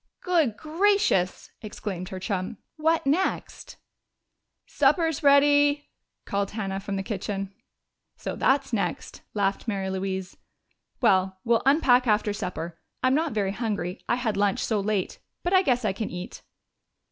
"Good gracious!" exclaimed her chum. "What next?" "Supper's ready!" called Hannah from the kitchen. "So that's next," laughed Mary Louise. "Well, we'll unpack after supper. I'm not very hungry I had lunch so late but I guess I can eat."